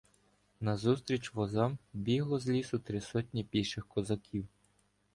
Назустріч возам бігло з лісу три сотні піших козаків.